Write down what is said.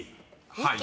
［はい］